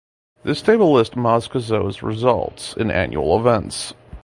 This table lists Moscoso’s results across annual events.